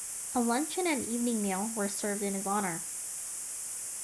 A luncheon and evening meal were served in his honor.